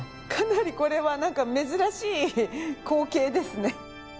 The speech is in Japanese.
かなりこれはなんか珍しい光景ですね。